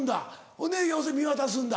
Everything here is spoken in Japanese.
ほんで要するに見渡すんだ。